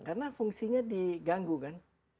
karena fungsinya diganggu kan